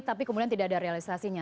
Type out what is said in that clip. tapi kemudian tidak ada realisasinya